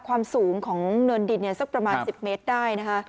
ความสูงของเนินดินสักประมาณ๑๐เมตรได้นะคะ